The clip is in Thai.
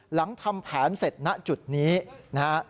หลังทำแผนเสร็จณจุดนี้นะฮะ